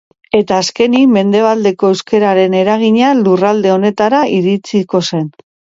Eta, azkenik, mendebaleko euskararen eragina lurralde honetara iritsiko zen.